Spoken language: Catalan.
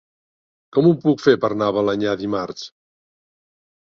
Com ho puc fer per anar a Balenyà dimarts?